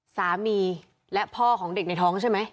สามีและพ่อของเด็กในท้องใช่ไหม